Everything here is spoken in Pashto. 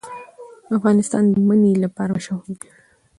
افغانستان د منی لپاره مشهور دی.